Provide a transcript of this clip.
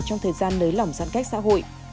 trong thời gian nới lỏng giãn cách xã hội